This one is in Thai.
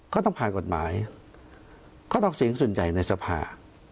ก็ต้องผ่านกฎหมายก็ต้องเสียงส่วนใหญ่ในสภา